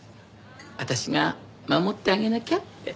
私が守ってあげなきゃって。